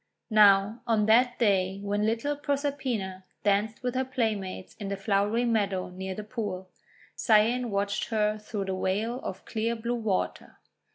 Now, on that day when little Proserpina danced with her playmates in the flowery meadow near the pool, Cyane watched her through the veil of clear blue water.